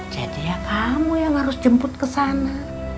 jadi ya kamu yang harus jemput ke sana